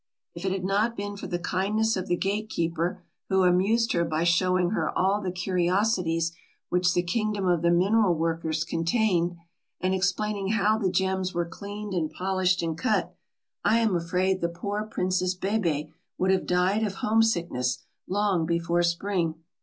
If it had not been for the kindness of the gate keeper, who amused her by showing her all the curiosities which the kingdom of the mineral workers contained, and explaining how the gems were cleaned and polished and cut, I am afraid the poor Princess Bébè would have died of homesickness long before spring.